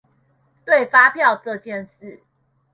對發票這件事